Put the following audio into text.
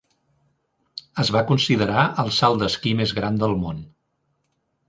Es va considerar "el salt d'esquí més gran del món".